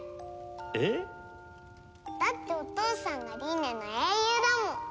えっ？だってお父さんがりんねの英雄だもん。